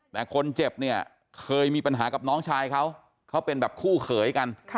แต่คนเจ็บเนี่ยเคยมีปัญหากับน้องชายเขาเขาเป็นแบบคู่เขยกัน